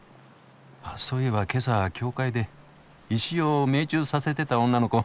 あっそういえば今朝教会で石を命中させてた女の子。